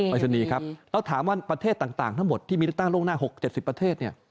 รัชนีครับแล้วถามว่าประเทศต่างทั้งหมดที่มีเลือกตั้งล่วงหน้า๖๗๐ประเทศเนี่ย